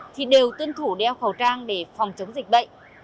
thì đều tuân thủ đeo khẩu trang để phòng chống dịch bệnh